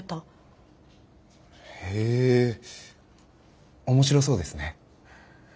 へえ面白そうですね。